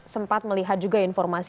sempat melihat juga informasi